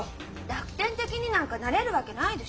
楽天的になんかなれるわけないでしょ。